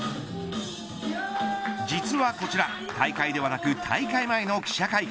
実はこちら大会ではなく大会前の記者会見。